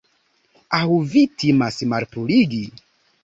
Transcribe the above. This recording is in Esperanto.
Aŭ vi timas malpurigi?